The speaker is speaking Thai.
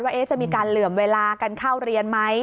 ว่าจะมีการเหลื่อมเวลากันเข้าเรียนไหม